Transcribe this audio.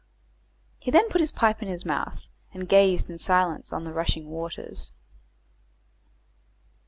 He then put his pipe in his mouth, and gazed in silence on the rushing waters.